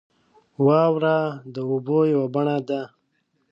• واوره د اوبو یوه بڼه ده.